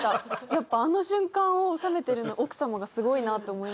やっぱあの瞬間を収めてる奥様がすごいなって思いました。